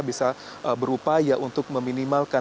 bisa berupaya untuk meminimalkan